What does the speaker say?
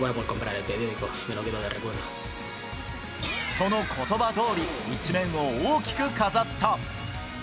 そのことばどおり、一面を大きく飾った。